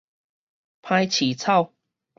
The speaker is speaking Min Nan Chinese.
歹市草